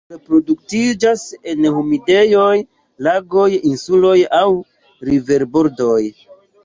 Ĝi reproduktiĝas en humidejoj, lagoj, insuloj aŭ riverbordoj.